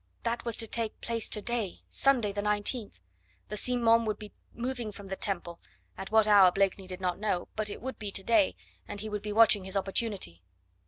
That was to take place to day Sunday, the 19th. The Simons would be moving from the Temple, at what hour Blakeney did not know, but it would be today, and he would be watching his opportunity.